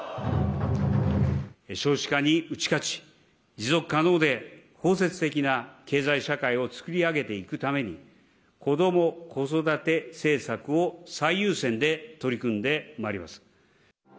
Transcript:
少子化に打ち勝ち、持続可能で包摂的な経済社会を作り上げていくために、子ども・子育て政策を最優先で取り組んでまいります。